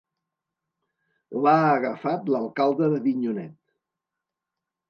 L'ha agafat l'alcalde d'Avinyonet.